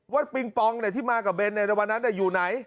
ว่าปิงปองเนี่ยที่มากับเบนในวันนั้นเนี่ยอยู่ไหน